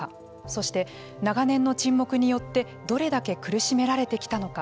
そして、長年の沈黙によってどれだけ苦しめられてきたのか。